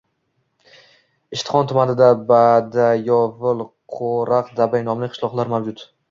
Ishtixon tumanida Badayovul, Qo‘riqbaday nomli qishloqlar mavjud.